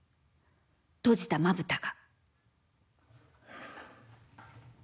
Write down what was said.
閉じた、まぶたが。